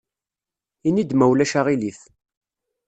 Ini-d ma ulac aɣilif.